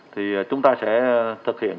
thì chúng ta sẽ thực hiện